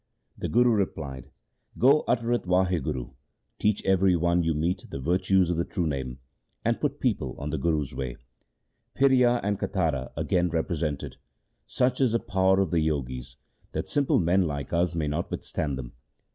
The Guru replied, ' Go utter Wahguru, teach every one you meet the virtues of the True name, and put people on the Guru's way.' Phiria and Katara again repre sented :' Such is the power of the Jogis, that simple men like us may not withstand them.